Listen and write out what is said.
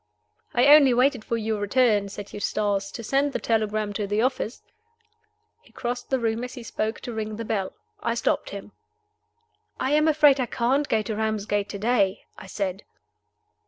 "I only waited for your return," said Eustace, "to send the telegram to the office." He crossed the room as he spoke to ring the bell. I stopped him. "I am afraid I can't go to Ramsgate to day," I said.